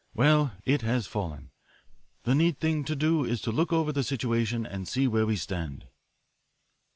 Well, it has fallen. The neat thing to do is to look over the situation and see where we stand."